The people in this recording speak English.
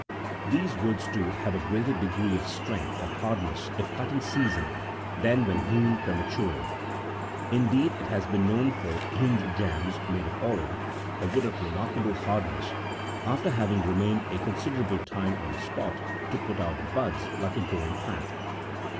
These woods, too, have a greater degree of strength and hardness if cut in season than when hewn prematurely ; indeed, it has been known for hinge jambs, made of olive, a wood of remarkable hardness, after having remained a considerable time on the spot, to put out buds51 like a growing plant.